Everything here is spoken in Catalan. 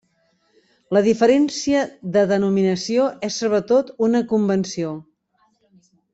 La diferència de denominació és sobretot una convenció.